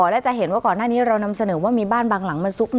และจะเห็นว่าก่อนหน้านี้เรานำเสนอว่ามีบ้านบางหลังมาซุก